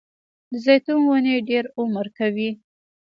د زیتون ونې ډیر عمر کوي